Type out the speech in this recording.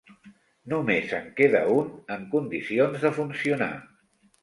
Només en queda un en condicions de funcionar.